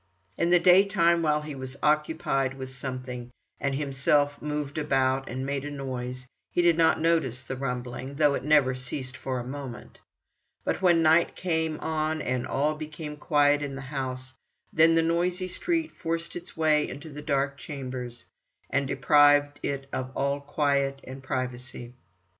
In the daytime, while he was occupied with something, and himself moved about and made a noise, he did not notice the rumbling, though it never ceased for a moment; but when night came on and all became quiet in the house, then the noisy street forced its way into the dark chamber, and deprived it of all quiet and privacy.